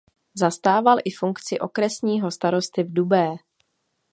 Zastával i funkci okresního starosty v Dubé.